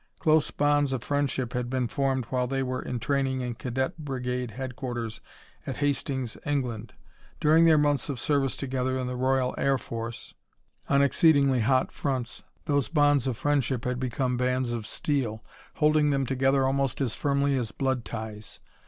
Close bonds of friendship had been formed while they were in training in Cadet Brigade Headquarters, at Hastings, England. During their months of service together in the Royal Air Force, on exceedingly hot fronts, those bonds of friendship had become bands of steel, holding them together almost as firmly as blood ties.